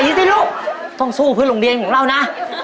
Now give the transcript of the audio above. สิลูกต้องสู้เพื่อโรงเรียนของเรานะ